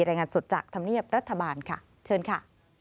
รายงานสดจากธรรมเนียบรัฐบาลค่ะเชิญค่ะ